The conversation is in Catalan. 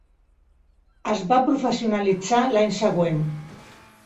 Es va professionalitzar l'any següent.